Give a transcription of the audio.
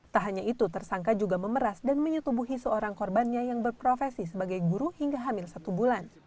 tak hanya itu tersangka juga memeras dan menyetubuhi seorang korbannya yang berprofesi sebagai guru hingga hamil satu bulan